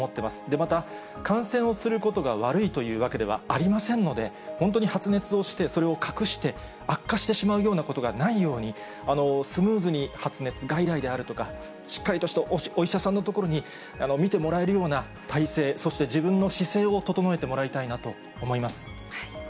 また、感染をすることが悪いというわけではありませんので、本当に発熱をして、それを隠して、悪化してしまうようなことがないように、スムーズに発熱外来であるとか、しっかりとしたお医者さんの所に診てもらえるような体制、そして自分の姿勢を整えてもらいたいなと思います。